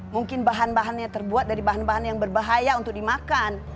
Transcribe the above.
mungkin bahan bahannya terbuat dari bahan bahan yang berbahaya untuk dimakan